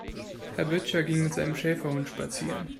Herr Böttcher ging mit seinem Schäferhund spazieren.